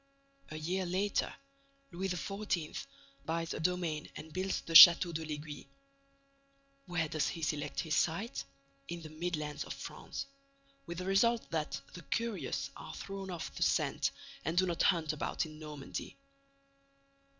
A year later, Louis XIV. buys a domain and builds the Château de l'Aiguille. Where does he select his site? In the Midlands of France, with the result that the curious are thrown off the scent and do not hunt about in Normandy.